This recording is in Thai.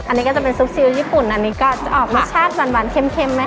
อันนี้ก็จะเป็นซุปซิลญี่ปุ่นอันนี้ก็จะออกรสชาติหวานเข้มนะคะ